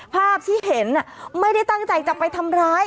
ภาพที่เห็นไม่ได้ตั้งใจจะไปทำร้าย